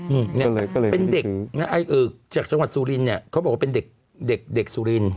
อืมเป็นเด็กอืมจากจังหวัดสุรินทร์เนี่ยเขาบอกว่าเป็นเด็กสุรินทร์